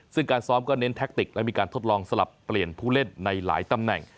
ซึ่งการซ้อมก็เน้นแท็กติกและมีการทดลองสลับเปลี่ยนผู้เล่นในหลายตำแหน่ง